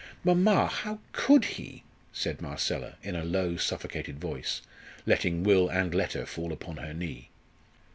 "Mamma, how could he?" said Marcella, in a low, suffocated voice, letting will and letter fall upon her knee.